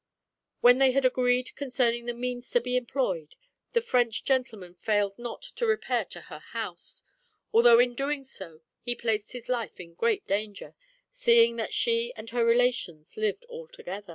When they had agreed concerning the means to be employed, the French gentleman failed not to repair to her house, although in doing so he placed his life in great danger, seeing that she and her relations lived all together.